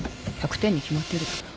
１００点に決まってるだろ。